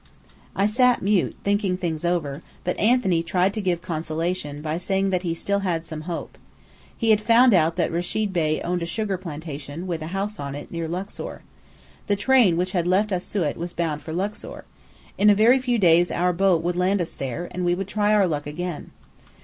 I sat mute, thinking things over, but Anthony tried to give consolation by saying that he still had some hope. He had found out that Rechid Bey owned a sugar plantation, with a house on it, near Luxor. The train which had left Asiut was bound for Luxor. In a very few days our boat would land us there, and we would try our luck again.